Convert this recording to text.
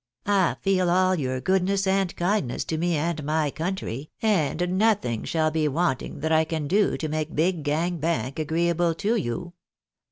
" I feel all your goodness and kindness to me and my country, and nothing shall be wanting that I can do to make Big Gang Bank agreeable to you.